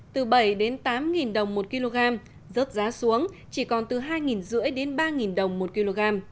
từ bảy tám đồng một kg rớt giá xuống chỉ còn từ hai năm trăm linh ba đồng một kg